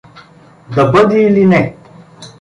Да бъде или не?